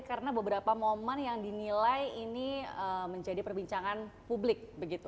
karena beberapa momen yang dinilai ini menjadi perbincangan publik